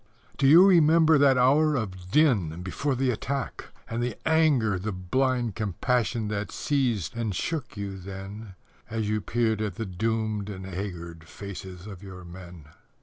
Do you remember that hour of din before the attack And the anger, the blind compassion that seized and shook you then As you peered at the doomed and haggard faces of your men?